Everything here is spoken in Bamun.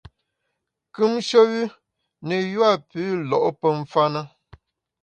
Kùmshe wü ne yua pü lo’ pe mfa’ na.